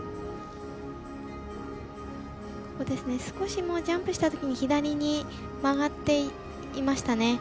少しジャンプしたときに左に曲がっていましたね。